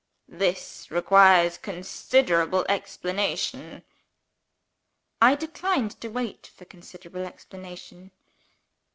"This requires considerable explanation." I declined to wait for considerable explanation.